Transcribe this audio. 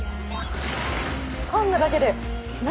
かんだだけで何？